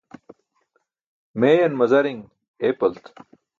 Meeyan mazari̇ṅ eepalt.